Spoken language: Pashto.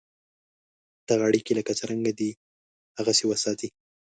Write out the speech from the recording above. دغه اړیکي لکه څرنګه دي هغسې وساتې.